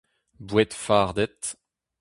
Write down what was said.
Boued fardet.